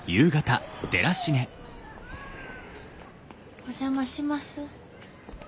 お邪魔します。